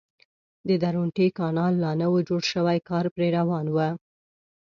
د درونټې کانال لا نه و جوړ شوی کار پرې روان و.